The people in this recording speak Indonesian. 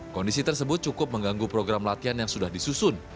kondisi tersebut cukup mengganggu program latihan yang sudah disusun